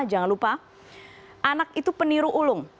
jangan lupa anak itu peniru ulung